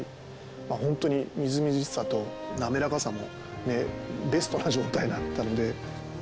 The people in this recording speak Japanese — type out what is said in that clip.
本当にみずみずしさとなめらかさもベストな状態だったので。